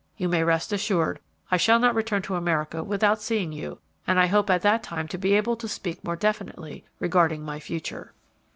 You may rest assured I shall not return to America without seeing you, and I hope at that time to be able to speak more definitely regarding my future."